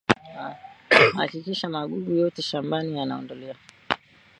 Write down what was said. Hakikisha magugu yote shambani yanaondolewa